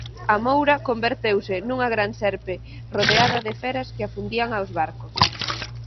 A moura converteuse nunha gran serpe rodeada de feras que afundían aos barcos.